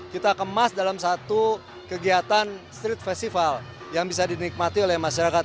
kita kemas dalam satu kegiatan street festival yang bisa dinikmati oleh masyarakat